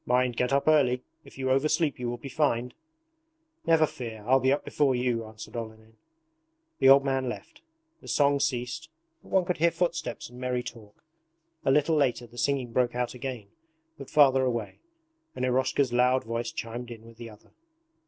'Mind, get up early; if you oversleep you will be fined!' 'Never fear, I'll be up before you,' answered Olenin. The old man left. The song ceased, but one could hear footsteps and merry talk. A little later the singing broke out again but farther away, and Eroshka's loud voice chimed in with the other.